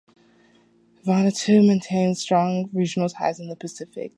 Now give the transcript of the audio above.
Vanuatu maintains strong regional ties in the Pacific.